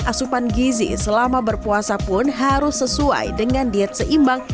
asupan gizi selama berpuasa pun harus sesuai dengan diet seimbang